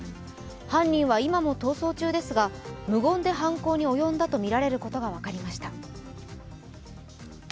犯人は今も逃走中ですが無言で犯行に及んだことが分かりました。